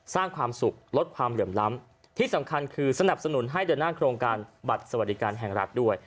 สร้างความสุขลดความเหลื่อมล้ำที่สำคัญคือสนับสนุนให้เดินหน้าโครงการบัตรสวัสดิการแห่งรัฐด้วย